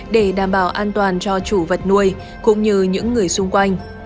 để đảm bảo an toàn cho chủ vật nuôi cũng như những người xung quanh